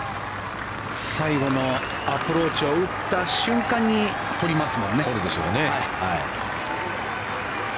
最後のアプローチを打った瞬間に彫りますもんね。